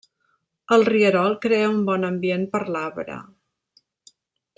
El rierol crea un bon ambient per l'arbre.